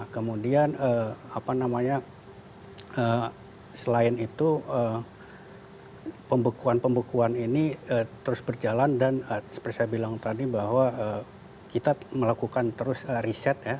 kemudian apa namanya selain itu pembekuan pembekuan ini terus berjalan dan seperti saya bilang tadi bahwa kita melakukan terus riset ya